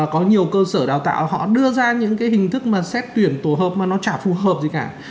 có nhiều cơ sở đào tạo họ đưa ra những cái hình thức mà xét tuyển tổ hợp mà nó chả phù hợp gì cả